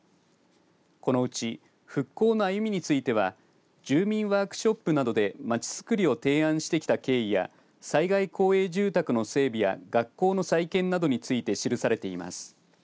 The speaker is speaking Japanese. このうち復興の歩みについては住民ワークショップなどでまちづくりを提案してきた経緯や災害公営住宅の整備や学校の再建などについて記されています。